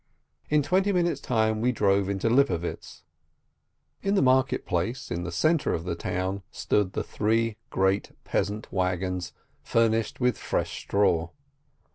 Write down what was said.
In twenty minutes time we drove into Lipovietz. In the market place, in the centre of the town, stood the three great peasant wagons, furnished with fresh straw.